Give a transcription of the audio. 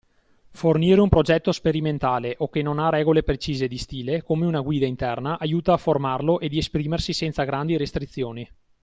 Fornire un progetto sperimentale o che non ha regole precise di stile, come una guida interna, aiuta a formarlo e di esprimersi senza grandi restrizioni.